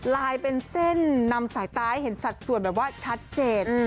ลายเป็นเส้นนำสายตาให้เห็นสัดส่วนแบบว่าชัดเจน